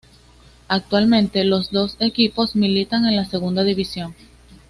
Actualmente los dos equipos militan en la segunda división.